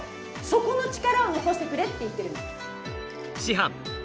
そこの力を残してくれって言ってるの。